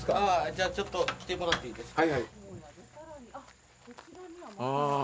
じゃあちょっと来てもらっていいですか。